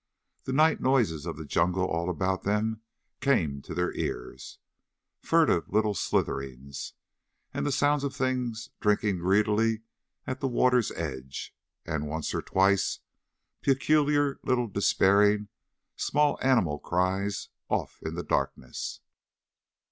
The night noises of the jungle all about them came to their ears. Furtive little slitherings, and the sound of things drinking greedily at the water's edge, and once or twice peculiar little despairing small animal cries off in the darkness.